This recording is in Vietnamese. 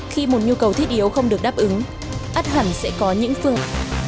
khi một nhu cầu thiết yếu không được đáp ứng ắt hẳn sẽ có những phương